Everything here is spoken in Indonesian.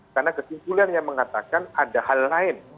karena kesimpulannya mengatakan ada hal lain